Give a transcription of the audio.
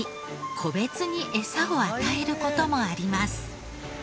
個別に餌を与える事もあります。